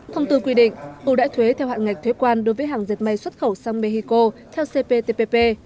thông tư quy định ưu đãi thuế theo hạn ngạch thuế quan đối với hàng dệt may xuất khẩu sang mexico theo cptpp